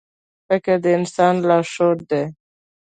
• فکر د انسان لارښود دی.